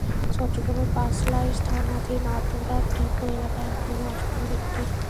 চট্টগ্রামের পাঁচলাইশ থানাধীন আতুরার ডিপো এলাকায় আগুনে আসবাবের একটি দোকান পুড়ে গেছে।